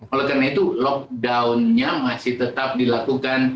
oleh karena itu lockdownnya masih tetap dilakukan